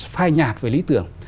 phai nhạt về lý tưởng